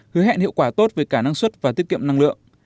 hứa hẹn hiệu quả tốt về cả năng suất và tiết kiệm năng lượng